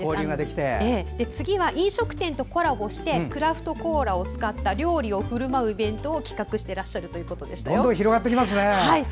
次は飲食店とコラボしてクラフトコーラを使った料理をふるまうイベントを企画しているということでした。